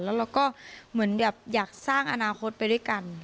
แล้วเราก็เหมือนแบบอยากสร้างอนาคตไปด้วยกัน